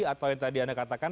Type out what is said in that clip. atau yang tadi anda katakan